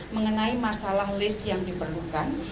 mengenai masalah list yang diperlukan